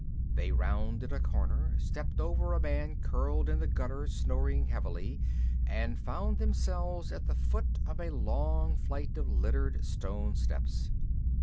They rounded a corner, stepped over a man curled in the gutter snoring heavily and found themselves at the foot of a long flight of littered stone steps.